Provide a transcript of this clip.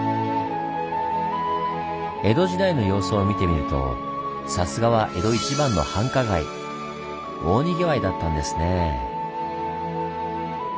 江戸時代の様子を見てみるとさすがは大にぎわいだったんですねぇ。